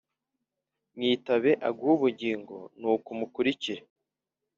Mwitabe aguhe ubugingo nuko umukirikire